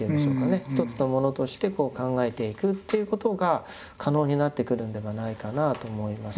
一つのものとして考えていくっていうことが可能になってくるんではないかなあと思います。